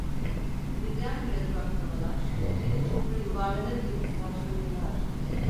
Birdenbire duraklamalar, bir çukura yuvarlanır gibi sarsıntılar…